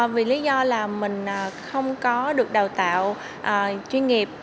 vì lý do là mình không có được đào tạo chuyên nghiệp